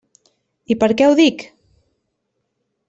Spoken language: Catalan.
I per què ho dic?